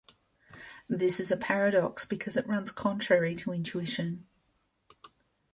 This is a "paradox" because it runs contrary to intuition.